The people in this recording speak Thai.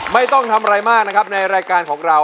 ไม่ต้องทำอะไรมากนะครับในรายการของเรา